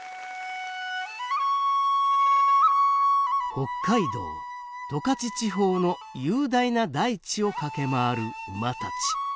北海道十勝地方の雄大な大地を駆け回る馬たち。